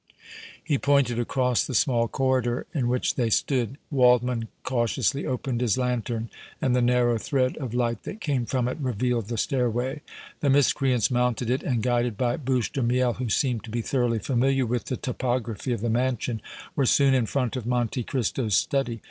He pointed across the small corridor in which they stood. Waldmann cautiously opened his lantern and the narrow thread of light that came from it revealed the stairway. The miscreants mounted it and, guided by Bouche de Miel, who seemed to be thoroughly familiar with the topography of the mansion, were soon in front of Monte Cristo's study.